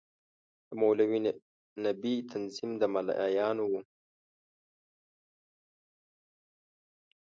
د مولوي نبي تنظیم د ملايانو وو.